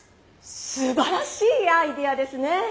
すばらしいアイデアですね！